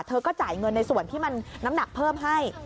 เธอก็จ่ายเงินในส่วนที่มันน้ำหนักเพิ่มให้